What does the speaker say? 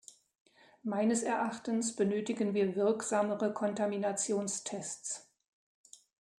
Meines Erachtens benötigen wir wirksamere Kontaminationstests.